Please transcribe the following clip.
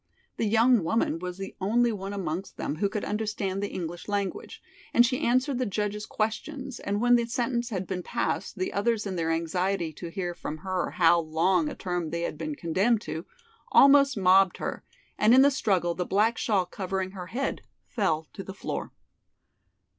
The young woman was the only one amongst them who could understand the English language, and she answered the judge's questions, and when the sentence had been passed, the others in their anxiety to hear from her how long a term they had been condemned to, almost mobbed her, and in the struggle the black shawl covering her head fell to the floor.